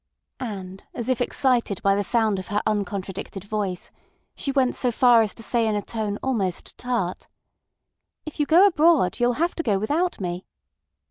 And as if excited by the sound of her uncontradicted voice, she went so far as to say in a tone almost tart: "If you go abroad you'll have to go without me."